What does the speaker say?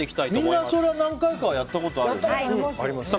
みんなそりゃ何回かはやったことあるよね。